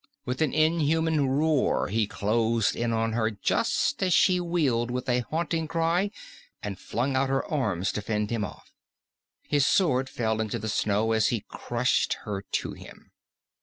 With an inhuman roar he closed in on her, just as she wheeled with a haunting cry and flung out her arms to fend him off. His sword fell into the snow as he crushed her to him.